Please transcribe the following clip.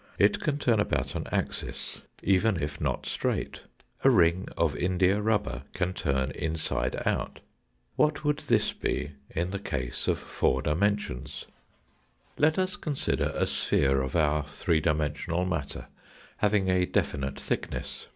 It can turn about an axis, even if not straight ; a ring of india rubber can turn inside out. What would this be in the case of four dimensions ? 80 tHE FOtJRtti Let us consider a sphere of our three dimensional matter having a definite thickness.